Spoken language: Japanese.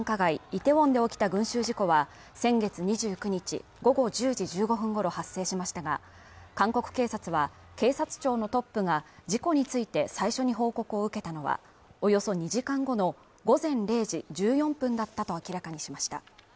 イテウォンで起きた群集事故は先月２９日午後１０時１５分ごろ発生しましたが韓国警察は警察庁のトップが事故について最初に報告を受けたのはおよそ２時間後の午前０時１４分だったと明らかにしました